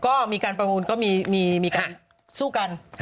ก็มีการประมูลก็มีการสู้กัน